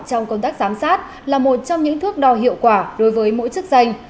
trong công tác giám sát là một trong những thước đo hiệu quả đối với mỗi chức danh